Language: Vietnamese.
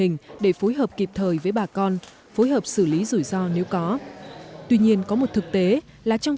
hình để phối hợp kịp thời với bà con phối hợp xử lý rủi ro nếu có tuy nhiên có một thực tế là trong